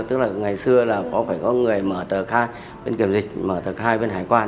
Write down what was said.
tức là ngày xưa là có phải có người mở tờ khai bên kiểm dịch mở tờ khai bên hải quan